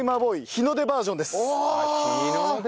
日の出バージョン。